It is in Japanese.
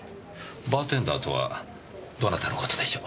バーテンダーとはどなたの事でしょう？